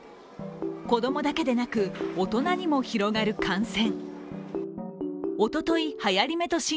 子供だけでなく、大人にも広がる感染。